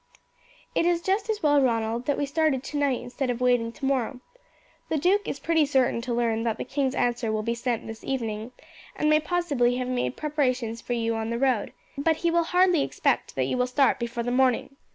"It is just as well, Ronald, that we started tonight instead of waiting till tomorrow. The duke is pretty certain to learn that the king's answer will be sent this evening, and may possibly have made preparations for you on the road; but he will hardly expect that you will start before the morning.